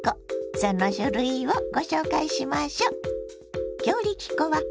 その種類をご紹介しましょ。